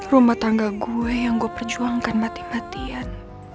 rumah tangga gue yang gue perjuangkan mati matian